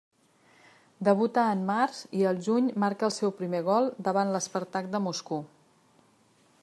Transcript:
Debuta en març i al juny marca el seu primer gol, davant l'Spartak de Moscou.